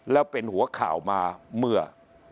แล้วเป็นหัวข่าวมาเมื่อ